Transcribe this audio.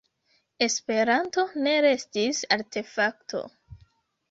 Esperanto ne restis artefakto.